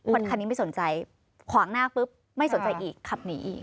คันนี้ไม่สนใจขวางหน้าปุ๊บไม่สนใจอีกขับหนีอีก